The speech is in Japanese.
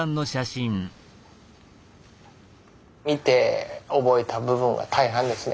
見て覚えた部分が大半ですね。